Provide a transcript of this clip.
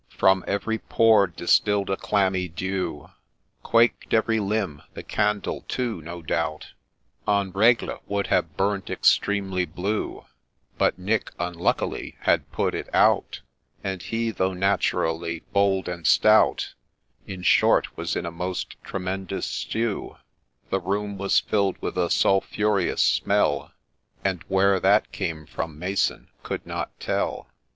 From every pore distill'd a clammy dew, Quaked every limb, — the candle, too, no doubt, THE GHOST 59 En rtgle, would have burnt extremely blue, But Nick unluckily had put it out ; And he, though naturally bold and stout, In short, was in a most tremendous stew ;— The room was fill'd with a sulphureous smell, But where that came from Mason could not tell.